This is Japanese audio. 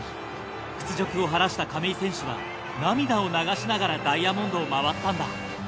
屈辱を晴らした亀井選手は涙を流しながらダイヤモンドを回ったんだ。